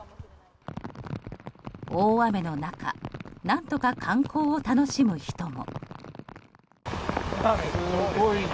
大雨の中何とか観光を楽しむ人も。